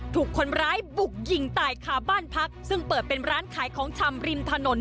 ถูกคนร้ายบุกยิงตายคาบ้านพักซึ่งเปิดเป็นร้านขายของชำริมถนน